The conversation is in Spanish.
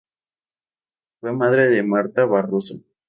Fue madre de Marta Barroso.